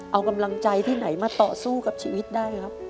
เอากำลังใจที่ไหนมาต่อสู้กับชีวิตได้ครับ